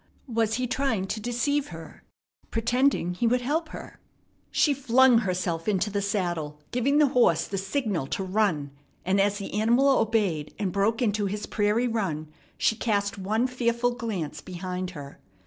Was he trying to deceive her? Pretending he would help her? She flung herself into the saddle, giving the horse the signal to run; and, as the animal obeyed and broke into his prairie run, she cast one fearful glance behind her.